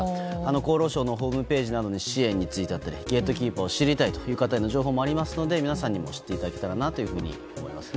厚労省のホームページについて支援だったりゲートキーパーを知りたい方への情報もありますので皆さんにも知っていただきたいなと思いますね。